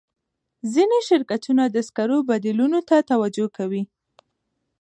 ځینې شرکتونه د سکرو بدیلونو ته توجه کوي.